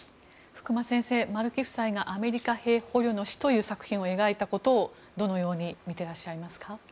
福間先生、丸木夫妻がアメリカ兵捕虜の死という作品を描いたことを、どのように見ていらっしゃいますか？